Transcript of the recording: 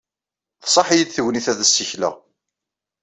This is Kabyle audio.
Tṣaḥ-iyi-d tegnit ad ssikleɣ.